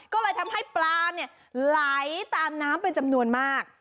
ก็เลยทำให้ปลาไหลตามน้ำเป็นจำนวนมาก